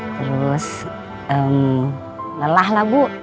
terus lelah lah bu